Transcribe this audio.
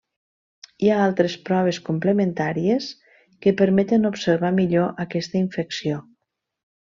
Hi ha altres proves complementàries que permeten observar millor aquesta infecció.